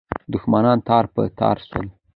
دښمنان تار په تار سول.